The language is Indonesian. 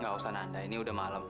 gak usah nanda ini udah malem